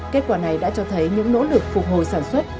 kết quả này đã cho thấy những nỗ lực phục hồi sản xuất